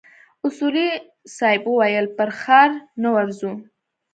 اصولي صیب وويل پر ښار نه ورځو.